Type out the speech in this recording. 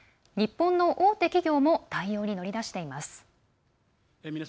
日本の大手企業も対応に乗り出しています。